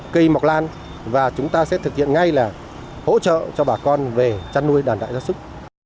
cây mọc lan và chúng ta sẽ thực hiện ngay là hỗ trợ cho bà con về chăn nuôi đàn đại gia sức